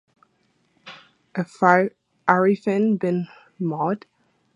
Arifin bin Mohd.